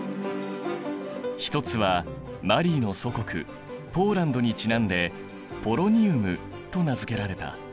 １つはマリーの祖国ポーランドにちなんでポロニウムと名付けられた。